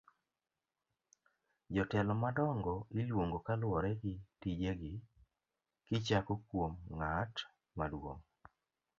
jotelo madongo iluongo kaluwore gi tije gi kichako kuom ng'at maduong'